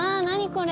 これ。